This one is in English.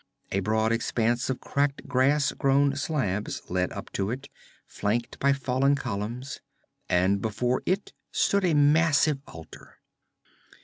A broad expanse of cracked, grass grown slabs led up to it, flanked by fallen columns, and before it stood a massive altar.